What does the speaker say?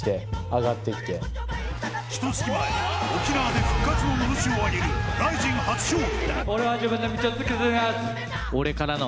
ひと月前沖縄で復活ののろしを上げるＲＩＺＩＮ初勝利。